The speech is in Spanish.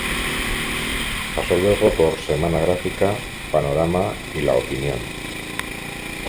Pasó luego por "Semana Gráfica", "Panorama" y "La Opinión".